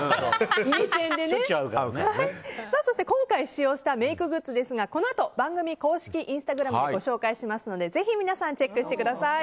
そして今回使用したメイクグッズですがこのあと番組公式インスタグラムでご紹介しますのでぜひ皆さんチェックしてください。